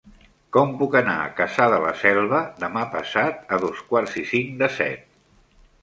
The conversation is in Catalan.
Com puc anar a Cassà de la Selva demà passat a dos quarts i cinc de set?